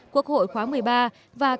quốc hội khóa một mươi ba